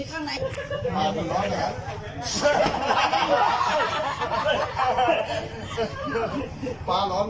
สวัสดีครับคุณแฟม